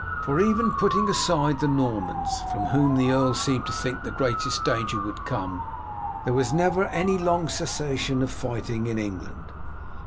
For, even putting aside the Normans, from whom the earl seemed to think the greatest danger would come, there was never any long cessation of fighting in England.